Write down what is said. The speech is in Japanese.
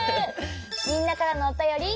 みんなからのおたより。